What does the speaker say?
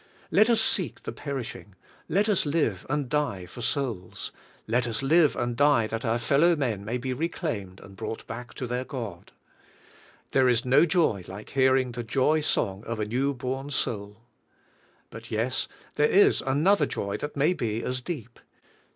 Let us seek the perishing, let us live and die for souls, let us live and die that our JO V IN THE IIOL V GHOST 143 fellow men may be reclaimed and brought back to their God. There is no joy like hearing the joy song of a new born soul. But yes, there is another joy that may be as deep.